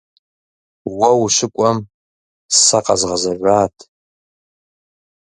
Уэ ущыкӏуэм сэ къэзгъэзэжат.